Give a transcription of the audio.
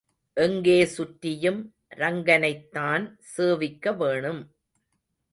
எங்கே சுற்றியும் ரங்கனைத்தான் சேவிக்க வேணும்.